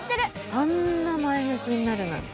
あんな前向きになるなんて。